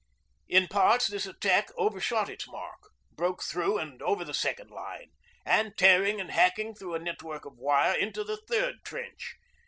In parts this attack overshot its mark, broke through and over the second line and, tearing and hacking through a network of wire, into the third trench.